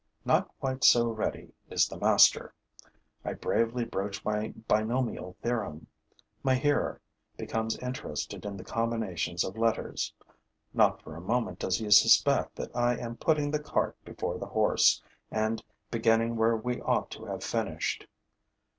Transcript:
Not quite so ready is the master. I bravely broach my binomial theorem. My hearer becomes interested in the combinations of letters. Not for a moment does he suspect that I am putting the cart before the horse and beginning where we ought to have finished.